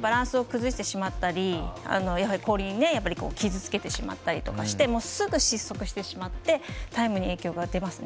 バランスを崩してしまったり、氷を傷つけてしまったりとかしてすぐ失速してしまってタイムに影響出ます。